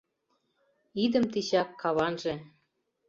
Идым тичак — каванже.